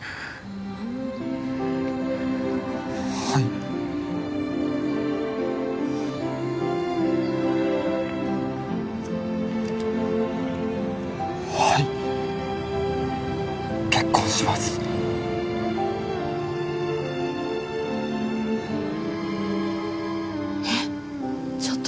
はい結婚しますえっ！？